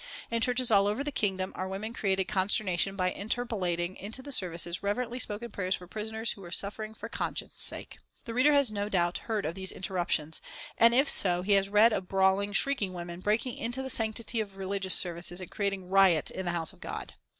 In churches all over the Kingdom our women created consternation by interpolating into the services reverently spoken prayers for prisoners who were suffering for conscience' sake. The reader no doubt has heard of these interruptions, and if so he has read of brawling, shrieking women, breaking into the sanctity of religious services, and creating riot in the House of God.